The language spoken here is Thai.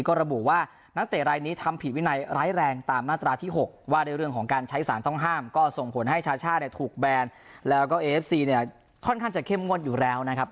ก็ระบุว่านักเตะรายนี้ทำผิดวินัยร้ายแรงตามมาตราที่๖ว่าด้วยเรื่องของการใช้สารต้องห้ามก็ส่งผลให้ชาช่าเนี่ยถูกแบนแล้วก็เอฟซีเนี่ยค่อนข้างจะเข้มงวดอยู่แล้วนะครับ